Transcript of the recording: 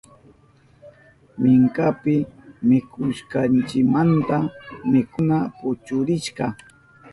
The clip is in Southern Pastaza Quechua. Minkapi mikushkanchimanta mikuna puchurishka.